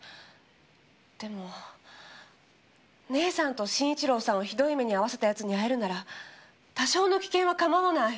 でも姉さんと慎一郎さんをひどい目に遭わせた奴に会えるなら多少の危険は構わない。